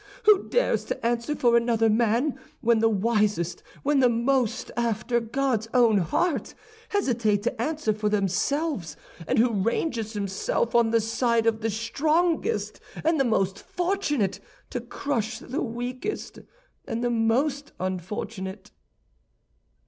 who dares to answer for another man, when the wisest, when those most after God's own heart, hesitate to answer for themselves, and who ranges himself on the side of the strongest and the most fortunate, to crush the weakest and the most unfortunate."